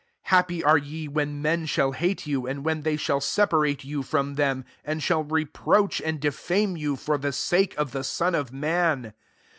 Happy are ye, when men shall hate you, and when they shall separate you from them, and shall reproach and defame you, for the sake of the Son of man.